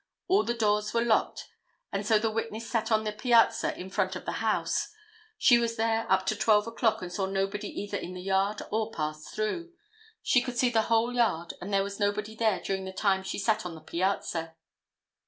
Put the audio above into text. All the doors were locked and so the witness sat on the piazza in front of the house. She was there up to 12 o'clock and saw nobody either in the yard or pass through. She could see the whole yard and there was nobody there during the time she sat on the piazza.